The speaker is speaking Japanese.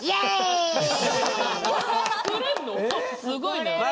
すごいな。